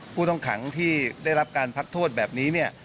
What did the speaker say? ผู้ต้องขังที่ได้รับการพักโทษแบบนี้เนี่ย